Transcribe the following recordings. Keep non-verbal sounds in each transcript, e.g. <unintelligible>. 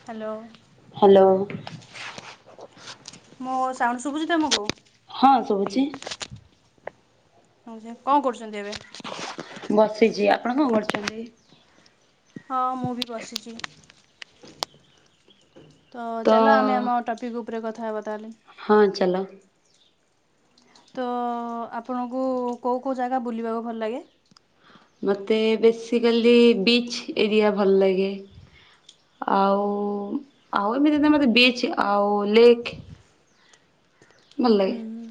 Hello. Hello. ମୋ sound ଶୁଭୁଛି ତମକୁ? ହଁ ଶୁବୁଛି। ଆଉଯେ କଣ କରୁଛନ୍ତି ଏବେ? ବସିଛି। ଆପଣ କଣ କରୁଛନ୍ତି? ହଁ ମୁଁ ବି ବସିଛି। ତ ଚାଲ ଆମେ ଆମ ଟପିକି ଉପରେ କଥା ହେବା ତାହେଲେ। ହଁ ଚାଲ। ତ ଆପଣଙ୍କୁ କେଉଁ କେଉଁ ଜାଗା ବୁଲିବାକୁ ଭଲ ଲାଗେ? ମୋତେ ବେସିକାଲି ବିଚ୍ ଏରିଆ ଭଲ ଲାଗେ। ଆଉ ଆଉ ଏମିତି ମତେ ବିଚ୍ ଆଉ ଲେକ୍ ଭଲ ହୁଁ ଲାଗେ ହୁଁ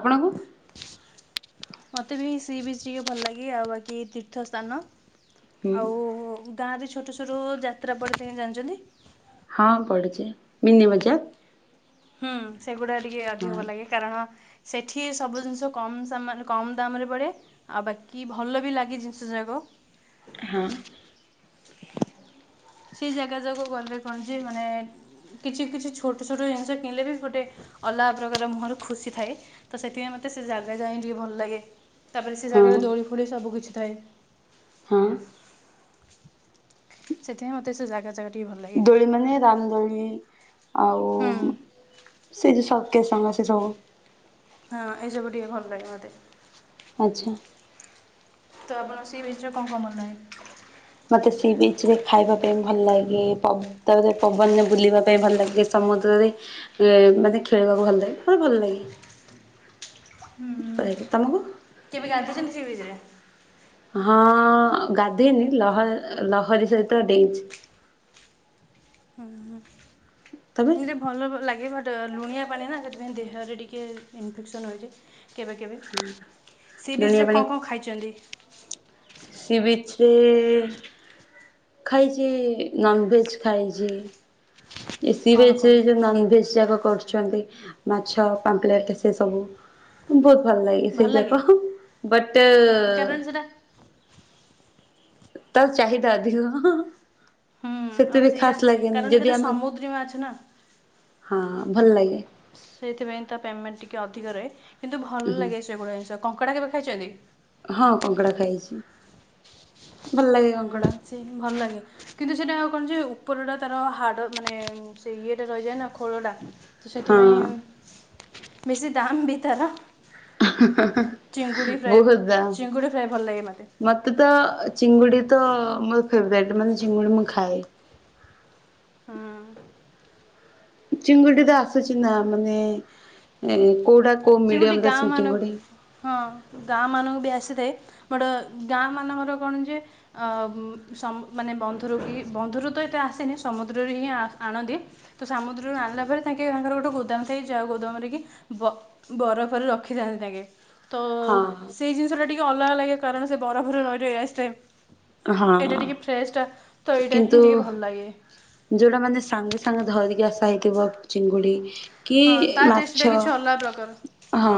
ଆପଣଙ୍କୁ? ମୋତେ ବି ସି ବିଚ୍ ଟିକେ ଭଲ ଲାଗେ ଆଉ ବାକି ତୀର୍ଥ ସ୍ଥାନ ହୁଁ ଆଉ ତା ବି ଛୋଟ ଛୋଟ ଯାତ୍ରା ପଡ଼ ପାଇଁ ଜାଣିଛନ୍ତି। ହଁ ପଡ଼ିୁଛି ମିନି ବଜାର। ହୁଁ ସେଗୁଡା ଟିକେ ଅଧିକ ହଁ। ଭଲ ଲାଗେ। କାରଣ ସେଠି ସବୁ ଜିନିଷ କମ୍ ସମୟ ରେ କମ୍ ଦାମରେ ମିଳେ। ଆଉ ବାକି ଭଲ ବି ଲାଗେ ଜିନିଷ ଯାକ। ହଁ। ସେ ଜାଗା ଯାକ ଗଲେ କଣ ଯେ ମାନେ କିଛି କିଛି ଛୋଟ ଛୋଟ ଜିନିଷ କିଣିଲେ ବି ଗୋଟେ ଅଲଗା ପ୍ରକାର ମୁହଁରୁ ଖୁସି ଥାଏ ତ ସେଥିପାଇଁ ମତେ ସେ ଜାଗା ଯାଇ ଟିକେ ଭଲ ଲାଗେ। ତାପରେ ସେ ହଁ ଜାଗାରେ ଦୋଳି ଫୋଳି ସବୁକିଛି ଥାଏ। ହଁ। ସେଥିପାଇଁ ମତେ ସେ ଜାଗା ଜାଗା ଟିକେ ଭଲ ଲାଗେ ଦୋଳି ମାନେ ରାମଦୋଳି। ଆଉ ହୁଁ ସେ ଯେଉଁ ସତ୍ୟସଙ୍ଗ ସେ ସବୁ। ହଁ ଏଇ ସବୁ ଟିକେ ଭଲ ଲାଗେ ମତେ। ଆଚ୍ଛା। ତ ଆପଣ କୁ ସି ବିଚ୍ ରେ କଣ କଣ ଭଲ ଲାଗେ? ମୋତେ ସି ବିଚ୍ ରେ ଖାଇବା ପାଇଁ ଭଲ ଲାଗେ ପ ତାପରେ ପବନରେ ବୁଲିବା ପାଇଁ ଭଲ ଲାଗେ ସମୁଦ୍ରରେ। ଏ ମାନେ ଖେଳିବାକୁ ଭଲ ଲାଗେ ମତେ ଭଲ ଲାଗେ। ପ୍ରାୟତ ହୁଁ ତମକୁ? କେବେ ଗାଧୋଇଛନ୍ତି ସି ବିଚ୍ରେ ହଁ ଗାଧୋଇଲି ଲହ ଲହରୀ ସହିତ ଡେଇଛି। ଉମ୍ ତମେ? ମୁଏଇଟା ଭଲ ଲାଗେ ବଟ୍ ଲୁଣିଆ ପାଣି ନା ସେଥିପାଇଁ ଦେହରେ ଟିକଏ ଇନଫେକ୍ସନ୍ ହୋଇଯାଏ କେବେ କେବେ। ସି ବିଚ୍ ଦୁନିଆ ରେ ପାଣି କଣ କଣ ଖାଇଛନ୍ତି? ସି ବିଚରେ ଖାଇଛି ନନଭେଜ ଖାଇଛି। ଏଇ ସି କଣ ବିଚ୍ ରେ କଣ ଯୋଉ ନନଭେଜ ଯାକ କରୁଛନ୍ତି। ମାଛ, ପାମ୍ପଲେଟ ସେ ସବୁ। ବହୁତ ଭଲ ଲାଗେ ସେଇ ଯାକ। ବଟ୍ କାରଣ ସେଇଟା ତା ଚାହିଦା ଅଧିକ ହହହ। ହୁଁ ସେତେ ଆଉ ବି ସେଇଟା ଖାସ ଲାଗେନି କାରଣ ଯଦି ସେଇଟା ଆମେ, ସମୁଦ୍ରୀ ମାଛ ନା ହଁ ଭଲ ଲାଗେ। ସେଇଥିପାଇଁ ତ ପେମେଣ୍ଟ ଟିକେ ଅଧିକ ରହେ। କିନ୍ତୁ ଭଲ୍ ହୁଁ ଲାଗେ ସେଗୁଡ଼ା ଜିନିଷ। କଙ୍କଡ଼ା କେବେ ଖାଇଛନ୍ତି? ହଁ କଙ୍କଡ଼ା ଖାଇଛି। ଭଲ ଲାଗେ କଙ୍କଡ଼ା। ସେହିଁ ଭଲ ଲାଗେ କିନ୍ତୁ ସେଇଟା କଣ ଯେ ଉପରଟା ତାର ହାଡ଼ ମାନେ ସେ ଇଏଟା ରହିଯାଏ ନା। ଖୋଳଟା। ହଁ ସେଥିପାଇଁ ବେଶୀ ଦମ୍ ବି ତାର। ହନ -ହନ-ହନ। ଚିଙ୍ଗୁଡ଼ି ଫ୍ରାଏ, ଚିଙ୍ଗୁଡ଼ି ଫ୍ରାଏ ଭଲ ଲାଗେ ମୋତେ। ମତେ ତ ଚିଙ୍ଗୁଡ଼ି ତ ମୋର ଫେବରାଇଟ୍। ମାନେ ଚିଙ୍ଗୁଡ଼ି ମୁଁ ଖାଏ। ହଁନ। ଚିଙ୍ଗୁଡି ତ ଆସୁଛି ନା, ମାନେ ଏ କୋଉଟା କୋଉ ସେଗୁଟି ମିଡିୟମ ର ଗାଁ ମାନଙ୍କୁ ଚିଙ୍ଗୁଡି। ହଁ ଗାଁ ମାନଙ୍କୁ ବି ଆସିଥାଏ ବଡ଼ ଗାଁ ମାନଙ୍କର କଣ ଯେ ଅ ସମ୍ ମାନେ ବନ୍ଧୁରୁ କି ବନ୍ଧୁରୁ ତ ଏତେ ଆସେନି। ସମୁଦ୍ରରୁ ହିଁ ଆଣନ୍ତି। ତ ସାମୁଦ୍ରରୁ ଆଣିଲା ବେଳେ ତାଙ୍କେ, ତାଙ୍କର ଗୋଟେ ଗୋଦାମ ଥାଏ। ଯାଉ ଗୋଦାମରେ କି ବ ବରଫରେ ରଖିଥାନ୍ତି ତାଙ୍କେ ତ ହଁ ସେଇ ଜିନିଷଟା ଟିକେ ଅଲଗା ଲାଗେ। କାରଣ ସେ ବରଫରେ ରହି ରହି ଆସିଥାଏ। ହଁ। ଏଇଟା ଟିକେ ଫ୍ରେଶଟା। ତ ଏଇଟା କିନ୍ତୁ ହିଁ ଟିକେ ଭଲ ଲାଗେ। ଯୋଉଟା ମାନେ ସାଙ୍ଗେ ସାଙ୍ଗେ ଧରିକି ଆସା ହେଇଥିବ। ଚିଙ୍ଗୁଡି। କି ହଁ ତା ଟେଷ୍ଟଟା ମାଛ, କିଛି ଅଲଗା ପ୍ରକାର ହଁ।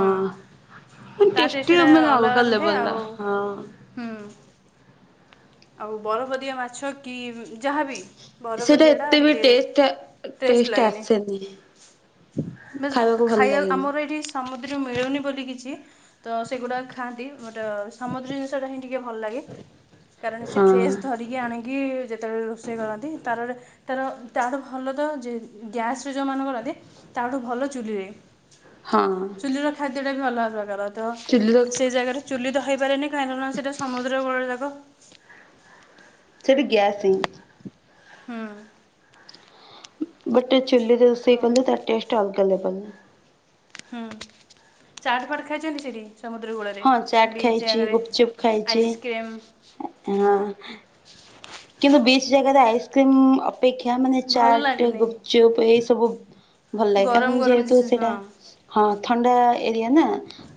ମାନେ ତା ଟେଷ୍ଟି ଟେଷ୍ଟଟା ମାନେ ଅଲଗା ଲେବଲର ହଁ। ହୁଁମ୍। ଆଉ ବରଫଦିଆ ମାଛ କି ଯାହାବି ବରଫ ସେଇଟା ଦିଆଟା ଏତେ ବି ଟିକେ, ଟେଷ୍ଟ ଟେଷ୍ଟ ଲାଗେନି। ଖାଇବାକୁ ଭଲ ଲାଗେନି। <unintelligible> ସାମୁଦ୍ରୀ ମିଳୁନି ବୋଲି କିଛି ତ ସେଗୁଡା ଖାଆନ୍ତି ବଟ ସମୁଦ୍ର ସେଡା ହିଁ ଟିକିଏ ଭଲ ଲାଗେ। କାରଣ ସେ ହଁ ଫ୍ରେସ୍ ଧରି କି ଆଣି କି କିି ଯେତେବେଳେ ରୋଷେଇ କରନ୍ତି ତାରରେ ତାର ତାର ଭଲ ତ ଯେ ଗ୍ୟାସରେ ଯୋଉମାନେ କରନ୍ତି। ତାଠୁ ଭଲ ଚୁଲିରେ। ହଁ। ଚୁଲି ର ଖାଦ୍ୟ ଟା ବି ଭଲଗା ପ୍ରକାରର। ଚୁଲିର ତ ସେଇ ଜାଗାରେ ଚୁଲି ରହିପାରେ ନି। ପ୍ରାୟ ଜଣଙ୍କ ସେଟା ସମୁଦ୍ର କୂଳରେ ଦବ। ସେଠି ଗ୍ୟାସ ସିଂ ହୁଁ। ଗୋଟେ ଚୁଲି ରୋଷେଇ ଆଉ କଲେ। ତା ଟେଷ୍ଟ ଅଲଗ ଲେଭଲର। ହୁଁ, ଚାଟ୍ ଫାଟ ଖାଇଛନ୍ତି ସେଇଠି? ସମୁଦ୍ର କୂଳରେ। ହଁ ଚାଟ୍ ବିଚ୍ ଖାଇଛି ଜାଗାରେ, ଗୁପଚୁପ୍ ଖାଇଛି ଆଇସ୍କ୍ରିମ୍ ହଁ। କିନ୍ତୁ ବିଚ୍ ଜାଗାରେ ଆଇସ୍କ୍ରିମ ଅପେକ୍ଷା ମାନେ ଭଲ ଚାଟ, ଲାଗେନି ଗୁପ୍ ଚୁପ୍ ଏଇ ସବୁ ଭଲ ଲାଗେ ଗରମ କାରଣ ଗରମ ଯେହେତୁ ଜିନିଷ ସେଇଟା ହଁ ହଁ ଥଣ୍ଡା ଏରିଆ ନା।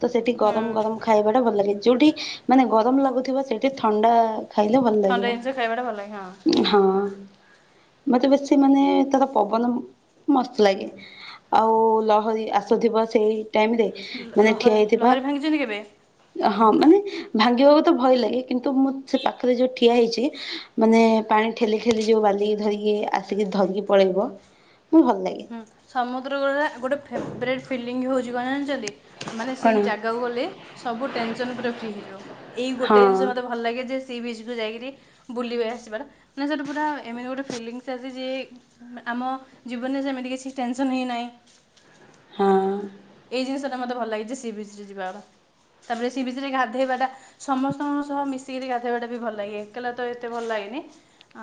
ତ ସେଠି ହୁଁ ଗରମ ଗରମ ଖାଇବାଟା ଭଲ ଲାଗେ। ଯୋଉଠି ମାନେ ଗରମ ଲାଗୁଥିବ ସେଇଠି ଥଣ୍ଡା ଖାଇଲେ ଭଲ ଥଣ୍ଡା ଲାଗିବ। ଜିନିଷ ଖାଇବାଟା ଭଲଲାଗେ ହଁ। ହଁ ମତେ ବେଶି ମାନେ ତାର ପବନ ମସ୍ତ ଲାଗେ ଆଉ ଲହରୀ ଆସୁଥିବ ସେଇ ଟାଇମରେ ଲହ ଲହରୀ ଭାଙ୍ଗିଛନ୍ତି କେବେ? ହଁ ମାନେ ଭାଙ୍ଗିବାକୁ ତ ଭୟ ଲାଗେ କିନ୍ତୁ ମୁଁ ସେ ପାଖରେ ଯଉ ଠିଆ ହେଇଚି ମାନେ ପାଣି ଠେଲି ଠେଲି ଯେଉଁ ବାଲି ଧରିକି ଆସିକି ଧରିକି ପଳେଇବ ମୁଁ ଭଲ ଲାଗେ। ହୁଁ ସମୁଦ୍ର ବେଳାରେ ଗୋଟେ ଫେବ୍ରଟ୍ ଫିଲିଙ୍ଗ ହେଉଚିକଣ ଜାଣିଚନ୍ତି? ମାନେ କଣ ସେଇ ଜାଗାକୁ ଗଲେ ସବୁ ଟେନସନ୍ ପୁରା ଫ୍ରି ହେଇଯିବ। ଏଇ ଗୋଟେ ହଁ ଜିନିଷ ମତେ ଭଲ ଲାଗେ ଯେ ସି ବିଚରୁ ଯାଇକିରି ବୁଲିବାଲି ଆସିଚିପରା ମାନେ ସେଠୁ ପୁରା ଏମିତି ଗୋଟେ ଫିଲିଙ୍ଗସ୍ ଆସେ ଯେ ଆମ ଜୀବନରେ ସେମିତି କିଛି ଟେନସନ୍ ହିଁ ନାହିଁ। ହଁ। ଏଇ ଜିନିଷଟା ମତେ ଭଲ ଲାଗେ ଯେ ସି ବିଚରେ ଯିବାଗୁଡା ତାପରେ ସି ବି୍ରଚରେ ଗାଧଇବାଟା। ସମସ୍ତଙ୍କ ସହ ମିଶିକିରି ଗାଧେଇବା ଟା ବି ଭଲ ଲାଗେ ଏକେଲାତ ଏତେ ଭଲ ଲାଗେନି।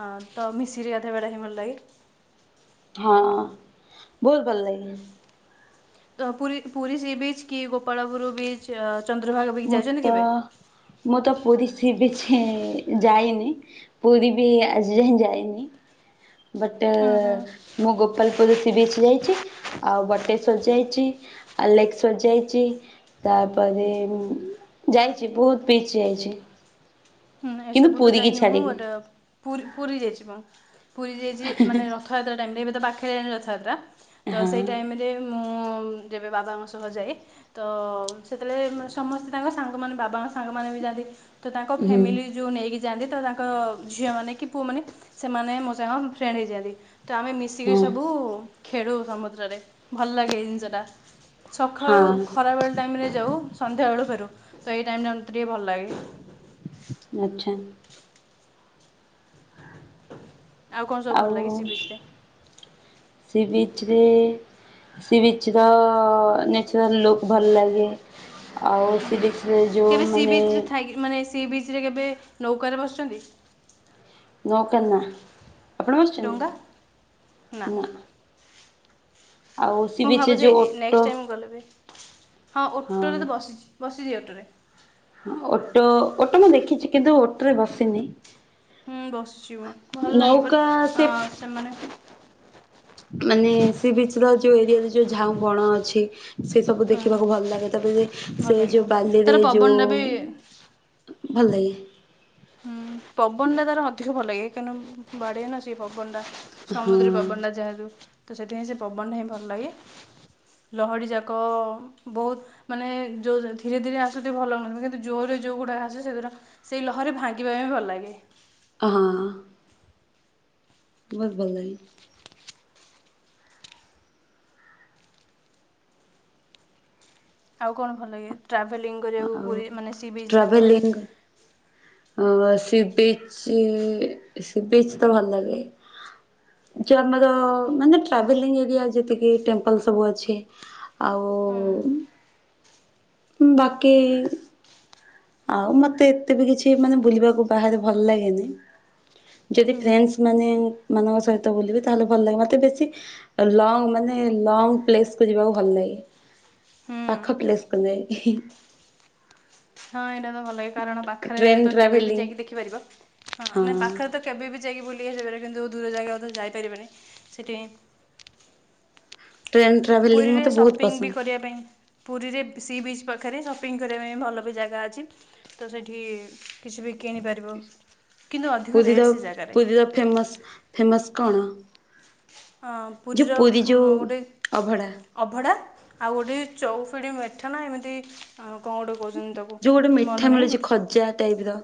ଅଁ ତ ମିଶିରି ଅଧେବେଳେ ହିଁ ଭଲ ଲାଗେ। ହଁ ବହୁତ ଭଲ ଲାଗେ। ତ ପୁରୀ ପୁରୀ ସି ବିଚ୍ କି ଗୋପାଳପୁର ବିଚ୍ ଚନ୍ଦ୍ରଭାଗ ବିଚ୍ ମୁଁ ଯାଇଛନ୍ତି ତ କେବେ? ମୁଁ ତ ପୁରୀ ସି ବିଚ ହି ଯାଇନି। ପୁରୀ ବି ଆଜିଯାଏ ଯାଇନି ବଟ ହୁଁ ହୁଁ ମୁଁ ଗୋପାଲ ସିବିଚ ଯାଇଚି ଆଉ ବଟେଶ୍ଵର ଯାଇଚି ଆଲେକଶ୍ୱର ଯାଇଚି ତାପରେ ଯାଇଚି ବହୁତ ପିଚ ଯାଇଚି। ହୁଁ ଏସବୁ ତ ଯାଇନି ମୁଁ ବଟ ପୁରୀ ପୁରୀ ଯାଇଛି ମୁଁ ପୁରୀ ଯାଇଚି ମାନେ ରଥଯାତ୍ରା ଟାଇମ୍ରେ ଏବେ ତ ପାଖେରେ ଆଇଲାଣି ରଥଯାତ୍ର। ତ ହଁ ସେଇ ଟାଇମରେ ମୁଁ ଯେବେ ବାବାଙ୍କ ସହ ଯାଏ ତ ସେତେବେଳେ ମାନେ ସମସ୍ତେ ତାଙ୍କ ସାଙ୍ଗ ମାନେ ବାବାଙ୍କ ସାଙ୍ଗ ମାନେ ବି ଯାଆନ୍ତି ତ ତାଙ୍କ ହୁଁ ଫ୍ୟାମିଲି ଯଉ ନେଇକି ଯାଆନ୍ତି ତ ତାଙ୍କ ଝିଅ ମାନେ କି ପୁଅମାନେ ସେମାନେ ମୋ ସାଙ୍ଗ ଫ୍ରେଣ୍ଡ ହେଇଯାଆନ୍ତି ତ ଆମେ ମି ମିଶିକି ହଁ ସବୁ ଖେଳୁ ସମୁଦ୍ରରେ ଭଲ ଲାଗେ ଏଇ ଜିନିଷ ଟା। ସଖାଳୁ ହଁ ଖରାବେଳେ ଟାଇମରେ ଯାଉ ସନ୍ଧ୍ୟାବେଳୁ ଫେରୁ ସେଇ ଟାଇମଟା ମତେ ଟିକେ ଭଲ ଲାଗେ। ଆଚ୍ଛା। କଣ ସବୁ ଭଲ ଆଉ ଲାଗେ ସି ବିଚ୍ ରେ? ସିବିଚ ରେ ସି ବିଚର ନେଚୁରାଲ ଲୁକ୍ ଭଲ ଲାଗେ। ଆଉ ହୁଁ ସିବିଚରେ ଯଉ କେବେ ସି ମାନେ ବିଚ୍ ରେ ଥାଇକି ମାନେ ସିବିଚରେ କେବେ ନୌକାରେ ବସିଛନ୍ତି। ନୌକା ନା। ଆପଣ ବସିଛନ୍ତି ଡଙ୍ଗା ନା। ଆଉ ସି ମୁଁ ବିଚ୍ରେ ଭାବୁଛି ଯେଉଁ ଓଟ ନେଷ୍ଟ ଟାଇମ୍ ଗଲେ ବି ହଁ ଓଟରେ ତ ବସିଛି ବସିଛି ଓଟରେ ଓଟ ଓଟ ମୁଁ ଦେଖିଚି କିନ୍ତୁ ଓଟରେ ବସିନି। ହୁଁ ବସିଛିି ମୁଁ ଭଲ ଲାଗେ ନୌକା ବଟ ସେ ଅ ସେମାନେ ମାନେ ସିବିଚର ଯଉ ଏରିଆରେ ଯଉ ଝାଉଁବଣ ଅଛି ସେ ସବୁ ହୁଁ ଦେଖିବାକୁ ଭଲ ଲାଗେ ତାପରେ ଭଲ ସେ ଲାଗେ ଯୋଉ ବାଲିରେ ତାର ପବନଟା ଯୋଉ ବି ଭଲ ଲାଗେ। ହୁଁ ପବନ ଟା ତାର ଅଧିକ ଭଲ ଲାଗେ କାରଣ ବଢ଼ିଆନା ସେ ପବନ ଟା ହଁ ସମୁଦ୍ର ପବନଟା ଯାହାତୁ ତ ସେଥିପାଇଁ ସେ ପବନଟା ହିଁ ଭଲ ଲାଗେ। ଲହଡ଼ିଯାକ ବହୁତ ମାନେ ଯଉ ଧୀରେ ଧୀରେ ଆସୁଚି ଭଲ କିନ୍ତୁ ଜୋରରେ ଯଉ ଗୁଡା ଆସେ ସେଗୁରା ସେ ଘରେ ଭାଙ୍ଗିବା ପାଇଁ ବି ଭଲ ଲାଗେ। ହଁ। ବହୁତ ଭଲ ଲାଗେ। ଆଉ କଣ ଭଲ ଲାଗେ ଟ୍ରାଭେଲିଂ କରିବାକୁ ଆଉ ପୁରୀ ମାନେ ସି ବି ଜାଗା ମାନେ ଅ ସିବିଚି ସିବିଚ୍ ତ ଭଲ ଲାଗେ। ଯେ ଆମର ମାନେ ଟ୍ରାଭେଲିଂ ଏରିଆ ଯେତିକି ଟେମ୍ପଲ୍ ସବୁ ଅଛି। ଆଉ ହୁଁ। ହୁଁ ବାକି ଆଉ ମତେ ଏତେ ବି କିଛି ମାନେ ବୁଲିବାକୁ ବାହାରେ ଭଲ ଲାଗେନି। ଯଦି ହୁଁ ଫ୍ରେଣ୍ଡସ୍ ହୁଁ ମାନେ ମାନଙ୍କ ସହିତ ବୁଲିବେ ତାହାଲେ ଭଲ ଲାଗେ ମତେ ବେଶୀ ଲଙ୍ଗ ମାନେ ଲଙ୍ଗ ପ୍ଲେସ୍କୁ ଯିବାକୁ ଭଲ ଲାଗେ। ହୁଁ ପାଖ ପ୍ଲେସ୍କୁ ନେଇକି ହିଁ। ହଁ ଏଇଟା ପା ଭଲାଗେ। କାରଣ ପାଖରେ ଟ୍ରେନ୍ ତ କେବେ ବି ଟ୍ରାଭେଲିଂ ଯାଇକି ଦେଖିପାରିବ ହଁ ନା ପାଖରେ ତ କେବେ ବି ଯାଇକି ବୁଲିକି ଆସିପାରେ କିନ୍ତୁ ଦୂର ଜାଗାକୁ ତ ଯାଇପାରିବନି ସେଥିପାଇଁ ଟ୍ରେନ୍ ଟ୍ରାଭେଲିଂ ପୁରୀରେ ମତେ ବହୁତ ସପିଙ୍ଗ ବି ପସନ୍ଦ କରିବା ପାଇଁ ପୁରୀରେ ସି ବିଚ୍ ପାଖରେ ସପିଙ୍ଗ କରିବା ପାଇଁ ଭଲ ବି ଜାଗା ଅଛି। ତ ସେଠି କିଛି ବି କିଣିପାରିବ କିନ୍ତୁ ଅଧିକ ପୁରୀର ରେଟ୍ ସେ ଜାଗାରେ। ପୁରୀର ଫେମସ୍ ଫେମସ୍ କଣ? ହଁ ଯୋଉ ପୁରୀର ପୁରୀ ମୁଁ ଯୋଉ ଗୋଟେ ଅଭଡ଼ା ଅଭଡ଼ା ଆଉ ଗୋଟେ ଚଉଫିଡ଼ି ମେଠନା ଏମିତି କଣ ଗୋଟେ କହୁଚନ୍ତି। ତାକୁ ମନ ନାହିଁ ଭାଟ୍ ଜା ଟାଇପ୍ ର।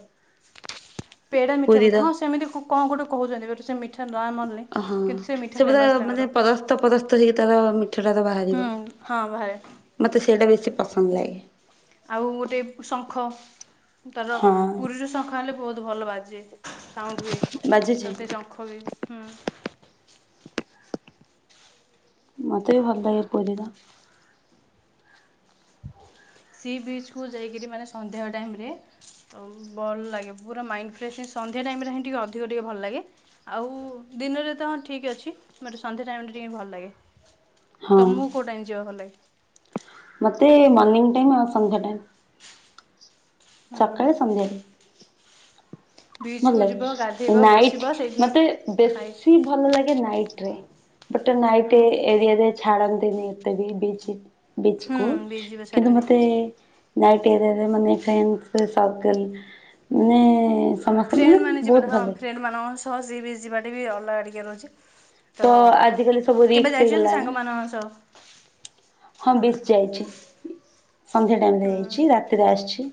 ପେଡା ମିଠା ପୁରୀର ବୋଧ ହଁ ସେମିତି କଣ ଗୋଟେ କହୁଛନ୍ତି ସେ ମିଠା ନାଁ ମଲେ ହଁ ହଁ ସେ ବୋଧେ ମାନେ ପରସ୍ତ ପରସ୍ତ ହେଇକି ତାର ମିଠାଟା ତ ହଁ ବାହାରିବ। ହଁ ବାହାରେ। ମତେ ସେଇଟା ବେଶୀ ପସନ୍ଦ ଲାଗେ। ଆଉ ଗୋଟେ ଶଙ୍ଖ ତାର ହଁ ପୁରୀରୁ ଶଙ୍ଖ ଆଣିଲେ ବୋହୁତ ଭଲ ବାଜେ। ସାଉଣ୍ଡ ହୁଏ ବାଜୁଛି ତ ସେଇ ଶଙ୍ଖ ବି ହୁଁ। ମତେ ବି ଭଲ ଲାଗେ ପୁରୀର। ସି ବିଚ୍ କୁ ଯାଇକିରି ମାନେ ସନ୍ଧ୍ୟା ଟାଇମରେ ତ ଭଲ ଲାଗେ ପୁରା ମାଇଣ୍ଡ ଫ୍ରେଶ ସନ୍ଧ୍ୟା ଟାଇମ ରେ ହିଁ ଟିକେ ଅଧିକ ଟିକେ ଭଲ ଲାଗେ। ଆଉ ଦିନରେ ତ ହଁ ଠିକ୍ ଅଛି ମଟ ସନ୍ଧ୍ୟା ଟାଇମଟା ଟିକେ ଭଲ ଲାଗେ। ହଁ ତମକୁ କୋଉ ଟାଇମ ଯିବାକୁ ଭଲଲାଗେ? ମୋତେ ମର୍ଣ୍ଣିଂ ଟାଇମ୍ ଆଉ ସନ୍ଧ୍ୟା ଟାଇମ୍। ହୁଁ ହୁଁ ସକାଳେ ସନ୍ଧ୍ୟାରେ। ଭଲ ବିଚ୍କୁ ଲାଗେ ଯିବ ଗାଧେଇବ ନାଇଟ ବସିବ ସେଇଠି ମତେ ଖାଇ ବେଶୀ ଭଲ ଲାଗେ ନାଇଟ ରେ ବଟ ନାଇଟ ହୁଁ ଏରିଆ ଛାଡ଼ନ୍ତିନି ଏତେ ବି ବିଚ ବିଚ୍ ହୁଁ କୁ ବିଚ୍ ଯିବ କିନ୍ତୁ ଛାଡ଼ିବେନି ମତେ ନାଇଟ୍ ଏରରେ ମାନେ ଫ୍ରେଣ୍ଡସ୍ ସର୍କଲ ମାନେ ସମସ୍ତେ ଫ୍ରେଣ୍ଡ ମାନେ ବହୁତ ଯିବାଟା ହଁ ଭଲ ଲାଗେ। ଫ୍ରେଣ୍ଡମାନଙ୍କ ସହ ସିଏ ବି ଯିବାଟେ ବି ଅଲଗା ଟିକେ ରହୁଛି। ତ ଆଜିକାଲି ସବୁ କେବେ ରିକ୍ସ ଯାଇଛନ୍ତି ହେଇଗଲାଣି ସାଙ୍ଗମାନଙ୍କ ସହ? ହଁ ବେଶ ଯାଇଛି ସନ୍ଧ୍ୟା ଟାଇମରେ ହୁଁ। ଯାଇଛି ରାତିରେ ଆସିଛି।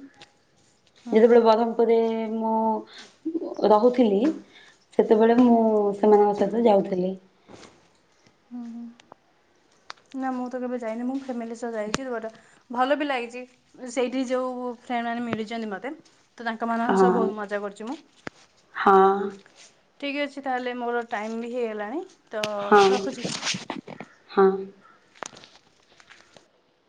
ହୁଁ ହୁଁ ଯେତେବେଳେ ବ୍ରହ୍ମପୁରରେ ମୁଁ ରହୁଥିଲି ସେତେବେଳେ ମୁଁ ସେମାନଙ୍କ ସହିତ ଯାଉଥିଲି। ହୁଁ ହୁଁ। ନା ମୁଁ ତ କେବେ ଯାଇନି ମୁଁ ଫ୍ୟାମିଲି ସହ ଯାଇଛି ଦୁବାଟା ଭଲ ବି ଲାଗିଚି ସେଇଠି ଯୋଉ ଫ୍ରେଣ୍ଡ ମାନେ ମିଳିଚନ୍ତି ମତେ। ତ ତାଙ୍କମାନଙ୍କ ସହ ବୋହୁତ ହଁ ମଜା କରୁଚି ମୁଁ। ହଁ। ଠିକ୍ ଅଛି ତାହେଲେ ମୋର ଟାଇମ ବି ହେଇଗଲାଣି। ତ ହଁ ରଖୁଛି। ହଁ।